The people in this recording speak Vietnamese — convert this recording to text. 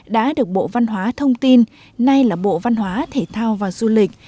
đã được bộ văn hóa thông tin nay là bộ văn hóa thể thao và du lịch